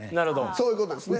そういう事ですね。